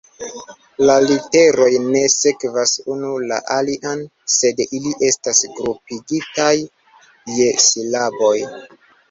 La literoj ne sekvas unu la alian, sed ili estas grupigitaj je silaboj.